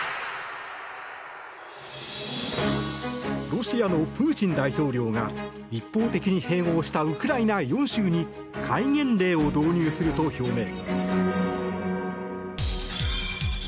ロシアのプーチン大統領が一方的に併合したウクライナ４州に戒厳令を導入すると表明。